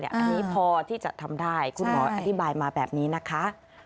อันนี้พอที่จะทำได้คุณหมออธิบายมาแบบนี้นะคะ